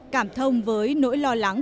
cảm thông với nỗi lo lắng